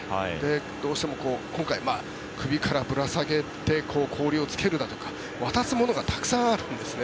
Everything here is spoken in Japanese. どうしても今回首からぶら下げて氷をつけるだとか、渡すものがたくさんあるんですね。